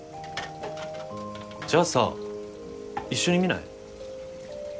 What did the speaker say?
じゃあさ一緒に見ない？